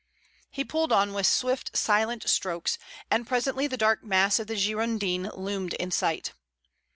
He pulled on with swift, silent strokes, and presently the dark mass of the Girondin loomed in sight.